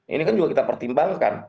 ini kan juga kita pertimbangkan